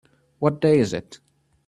What day is it?